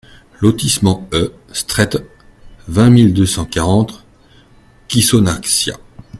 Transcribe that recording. Lotissement e Strette, vingt mille deux cent quarante Ghisonaccia